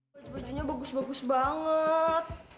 baju bajunya bagus bagus banget